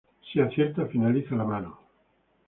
Si acierta, finaliza la mano.